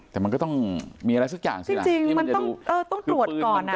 แต่มันก็ต้องมีอะไรสักอย่างสิล่ะจริงมันต้องเออต้องตรวจก่อนอ่ะ